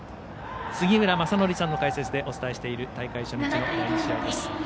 杉浦正則さんの解説でお伝えしている大会初日の第２試合です。